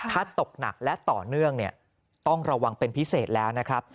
ถ้าตกหนักและต่อเนื่องเนี่ยต้องระวังเป็นพิเศษแล้วนะครับ